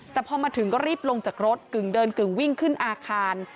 แต่พอมาถึงก็รีบลงจากรถกึ่งเดินกึ่งวิ่งขึ้นอาคาร